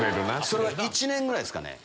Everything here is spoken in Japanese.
それは１年ぐらいですかね。